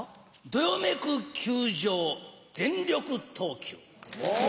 どよめく球場、全力投球。